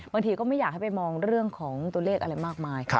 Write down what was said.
ก็ไม่อยากให้ไปมองเรื่องของตัวเลขอะไรมากมาย